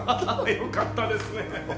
よかったですね！